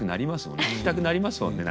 聞きたくなりますもんね